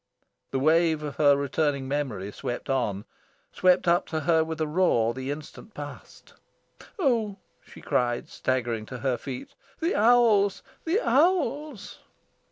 The wave of her returning memory swept on swept up to her with a roar the instant past. "Oh," she cried, staggering to her feet, "the owls, the owls!"